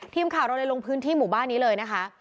ทีมข่าวเราเลยลงพื้นที่หมู่บ้านนี้เลยนะคะ